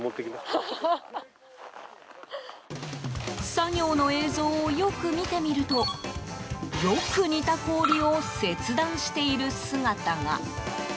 作業の映像をよく見てみるとよく似た氷を切断している姿が。